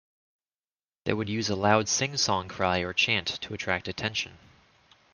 They would use a loud sing-song cry or chant to attract attention.